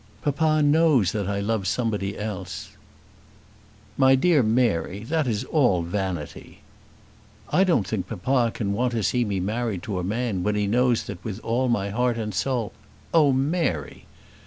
"Papa knows that I love somebody else." "My dear Mary, that is all vanity." "I don't think that papa can want to see me married to a man when he knows that with all my heart and soul " "Oh Mary!"